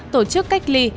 tổ chức cách ly